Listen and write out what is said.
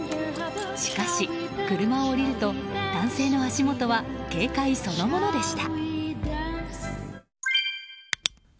しかし車を降りると男性の足元は軽快そのものでした。